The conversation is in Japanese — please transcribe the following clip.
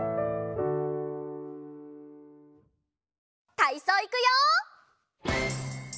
たいそういくよ！